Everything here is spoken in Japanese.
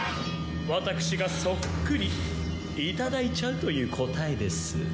私がそっくりいただいちゃうという答えです。